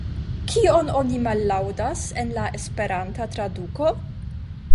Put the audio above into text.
Kion oni mallaŭdas en la Esperanta traduko?